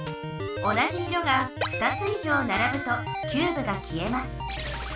同じ色が２つ以上ならぶとキューブが消えます。